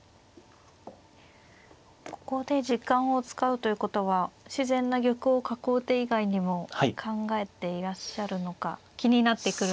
ここで時間を使うということは自然な玉を囲う手以外にも考えていらっしゃるのか気になってくるところですけれど。